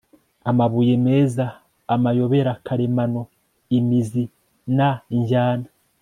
amabuye-meza, amayobera karemano, imizi-na-injyana